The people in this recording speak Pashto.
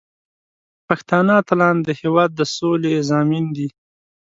پښتني اتلان د هیواد د سولې ضامن دي.